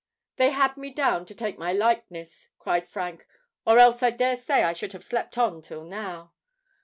"They had me down to take my likeness," cried Frank; "or else I dare say I should have slept on till now."